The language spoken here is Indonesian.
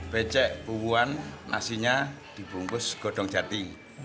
becek buwan nasinya dibungkus godong jati